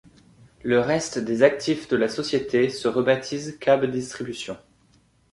Le reste des actifs de la société se rebaptise Kab Distribution.